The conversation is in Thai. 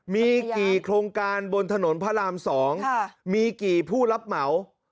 มีกี่โครงการบนถนนพระราม๒มีกี่ผู้รับเหมา